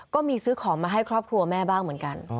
ก็มีซื้อของมาให้ครอบครัวแม่บ้างเหมือนกัน